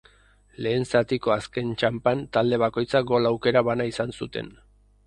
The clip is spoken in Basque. Lehen zatiko azken txanpan talde bakoitzak gol aukera bana izan zuten.